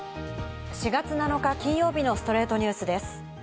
４月７日、金曜日の『ストレイトニュース』です。